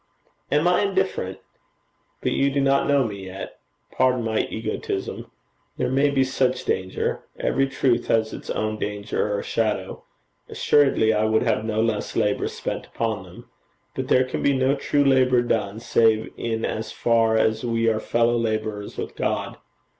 'Am I indifferent? But you do not know me yet. Pardon my egotism. There may be such danger. Every truth has its own danger or shadow. Assuredly I would have no less labour spent upon them. But there can be no true labour done, save in as far as we are fellow labourers with God.